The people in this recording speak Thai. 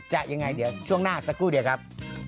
ยังไงเดี๋ยวช่วงหน้าสักครู่เดียวครับ